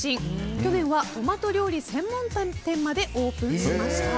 去年はトマト料理専門店までオープンしました。